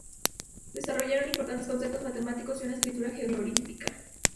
Desarrollaron importantes conceptos matemáticos y una escritura jeroglífica.